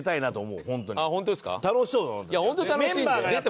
いやホント楽しいんで。